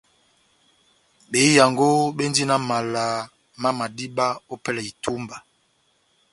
Behiyango béndini na mala má madiba ópɛlɛ ya itúmba